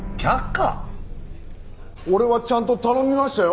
俺はちゃんと頼みましたよ。